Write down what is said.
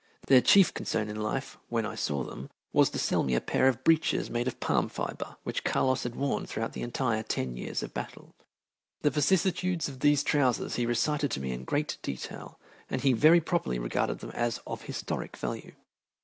Their chief concern in life, when I saw them, was to sell me a pair of breeches made of palm fibre which Carlos had worn throughout the entire ten years of battle. The vicissitudes of those trousers he recited to me in great detail, and he very properly regarded them as of historic value.